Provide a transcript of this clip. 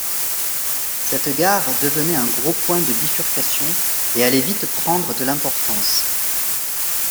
Cette gare devenait un gros point de bifurcation, et allait vite prendre de l'importance.